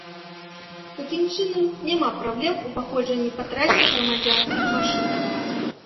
Такім чынам, няма праблем у праходжанні па трасе грамадзянскіх машын.